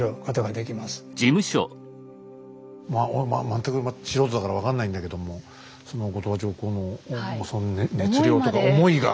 全く素人だから分かんないんだけどもその後鳥羽上皇の熱量とか思いが。